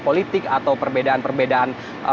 politik atau perbedaan perbedaan